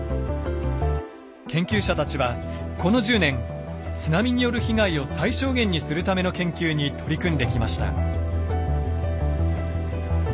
研究者たちはこの１０年津波による被害を最小限にするための研究に取り組んできました。